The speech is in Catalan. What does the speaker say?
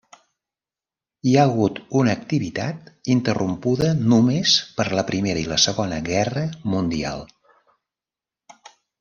Hi ha hagut una activitat interrompuda només per la Primera i la Segona Guerra Mundial.